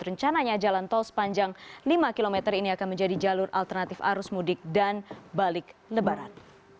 rencananya jalan tol sepanjang lima km ini akan menjadi jalur alternatif arus mudik dan balik lebaran